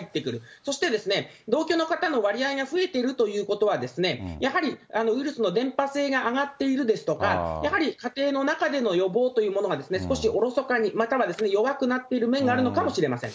そして、同居の方の割合が増えているということはですね、やはりウイルスの伝ぱ性が上がっているですとか、やはり家庭の中での予防というものが少しおろそかに、または弱くなっている面があるのかもしれません。